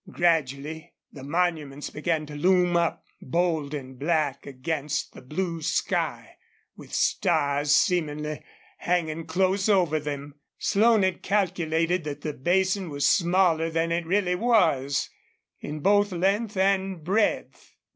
Gradually the monuments began to loom up, bold and black against the blue sky, with stars seemingly hanging close over them. Slone had calculated that the basin was smaller than it really was, in both length and breadth.